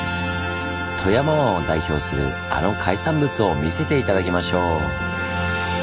富山湾を代表するあの海産物を見せて頂きましょう！